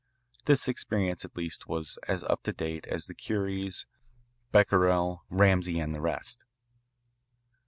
This experience at least was as up to date as the Curies, Becquerel, Ramsay, and the rest.